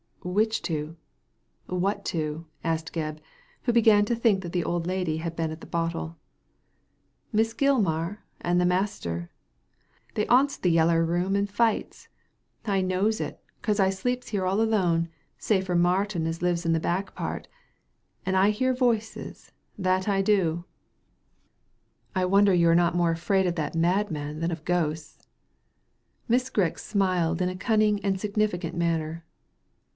"Which two? What two?" asked Gebb, who b^an to think that the old lady had been at the bottle. "Miss Gilmar and the master; they 'aunts the Yeller Room and fights. I knows it ; 'cause I sleeps here all alone, save for Martin as lives in the back part ; an' I hears voices, that I do." Digitized by Google 208 THE LADY FROM NOWHERE '' I wonder you are not more afraid of that mad man than of ghosts." Mrs. Grix smiled in a cunning and significant manner.